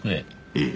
ええ。